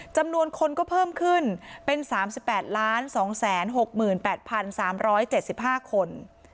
จำนวนคนก็เพิ่มขึ้นเป็น๓๘๒๖๘๓๗๕คน